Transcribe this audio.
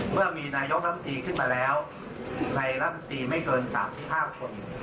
เพราะมีนายกรัฐศูนย์ดีขึ้นมาแล้วใครรัฐศูนย์ดีไม่เกิน๓๕คน